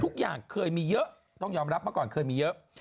ทุกอย่างเคยมีเยอะต้องยอมรับเมื่อก่อนเคยมีเยอะ